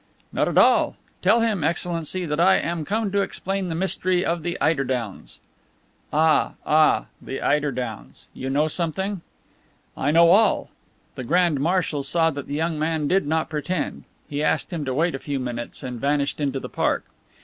"Not at all. Tell him, Excellency, that I am come to explain the mystery of the eider downs." "Ah, ah, the eider downs! You know something?" "I know all." The Grand Marshal saw that the young man did not pretend. He asked him to wait a few minutes, and vanished into the park.